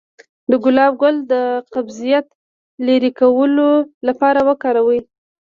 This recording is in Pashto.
د ګلاب ګل د قبضیت د لرې کولو لپاره وکاروئ